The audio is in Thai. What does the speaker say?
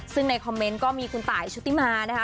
ซึ่งในคอมเมนต์ก็มีคุณตายชุติมานะคะ